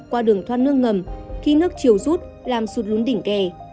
qua đường thoát nước ngầm khi nước chiều rút làm sụt lún đỉnh kè